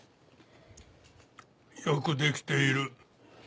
よくできている。